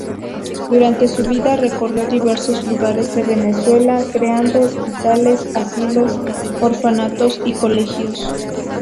Durante su vida recorrió diversos lugares de Venezuela creando Hospitales, asilos, orfanatos y colegios.